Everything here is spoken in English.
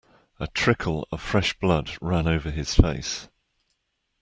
A trickle of fresh blood ran over his face.